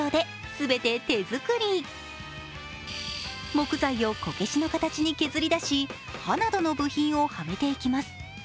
木材をこけしの形に削りだし刃などの部品をはめていきます。